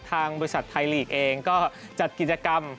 ทางบริษัทไทยลีกเองก็จัดกิจกรรม